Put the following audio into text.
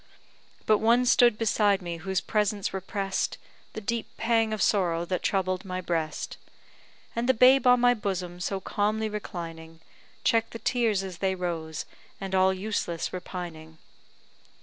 But one stood beside me whose presence repress'd The deep pang of sorrow that troubled my breast; And the babe on my bosom so calmly reclining, Check'd the tears as they rose, and all useless repining.